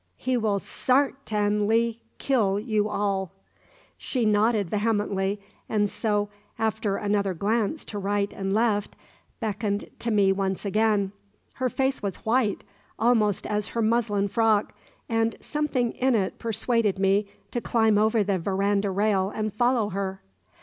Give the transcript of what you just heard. He will sar tain ly kill you all!" She nodded vehemently, and so, after another glance to right and left, beckoned to me once again. Her face was white, almost as her muslin frock, and something in it persuaded me to climb over the verandah rail and follow her.